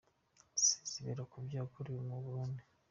Sezibera ku byo yakorewe mu Burundi.